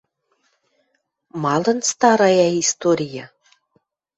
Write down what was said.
— Малын старая история?..